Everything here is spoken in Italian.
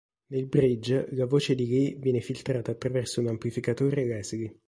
Nel bridge la voce di Lee viene filtrata attraverso un amplificatore Leslie.